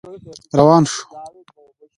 روان شو.